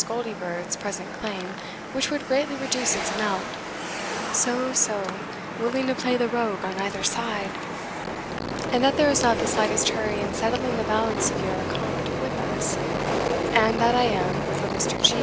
Goldiebirds' present claim which would greatly reduce its amount [so, so, willing to play the rogue on either side]; and that there is not the slightest hurry in settling the balance of your accompt with us; and that I am, for Mr. G.